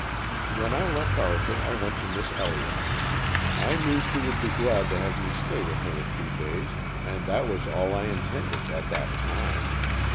"When I left Arthur I went to Miss Elliott's. I knew she would be glad to have me stay with her a few days, and that was all I intended, at that time.